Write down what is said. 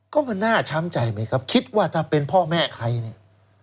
ก็มันน่าช้ำใจไหมครับคิดว่าถ้าเป็นพ่อแม่ใครเนี่ย